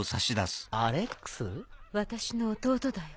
私の弟だよ。